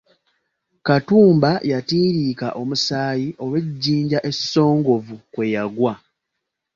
Katumba yatiriika omusaayi olw’ejjinja essongovu kwe yagwa.